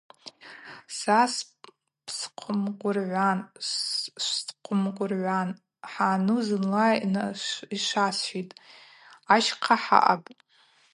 Са бсхъымгвыргӏван, швсхъымгвыргӏван, хӏъану зынла йшвасхӏвитӏ: ащхъа хӏаъапӏ.